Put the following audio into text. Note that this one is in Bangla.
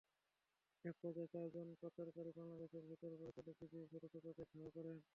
একপর্যায়ে চারজন পাচারকারী বাংলাদেশের ভেতরে প্রবেশ করলে বিজিবি সদস্যরা তাদের ধাওয়া করেন।